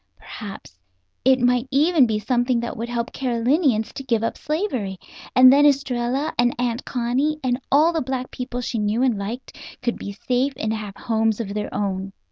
Perhaps it might even be something that would help Carolinians to give up slavery; and then Estralla and Aunt Connie, and all the black people she knew and liked, could be safe and have homes of their own.